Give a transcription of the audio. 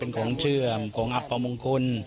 เป็นของเชื่อมของอับประมงคล